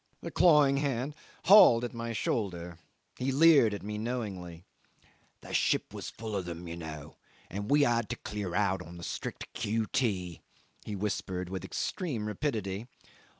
The clawing hand hauled at my shoulder; he leered at me knowingly. "The ship was full of them, you know, and we had to clear out on the strict Q.T.," he whispered with extreme rapidity.